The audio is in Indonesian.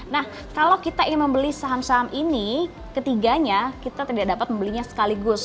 nah kalau kita ingin membeli saham saham ini ketiganya kita tidak dapat membelinya sekaligus